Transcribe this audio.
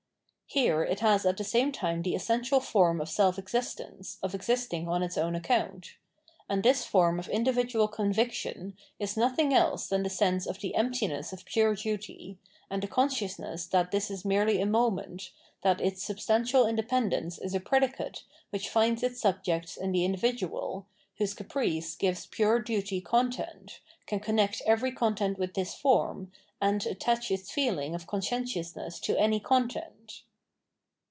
Here it has at the same time the essential form of self existence, of existing on its own account ; and this form of individual conviction is nothing else than the sense of the empti ness of pure duty, and the consciousness that this is merely a moment, that its substantial independence is a predicate which finds its subject in the individual, whose caprice gives pure duty content, can connect every content with this form, and attach its feeling of conscientiousness to any content.